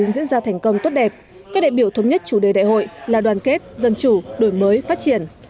diễn ra thành công tốt đẹp các đại biểu thống nhất chủ đề đại hội là đoàn kết dân chủ đổi mới phát triển